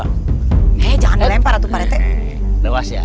hai jangan lempar atau pak rete lewat ya